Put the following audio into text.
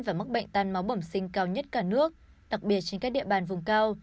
và mắc bệnh tan máu bẩm sinh cao nhất cả nước đặc biệt trên các địa bàn vùng cao